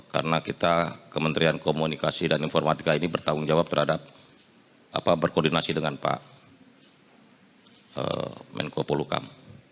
karena kita kementerian komunikasi dan informatika ini bertanggung jawab terhadap berkoordinasi dengan pak menko polukam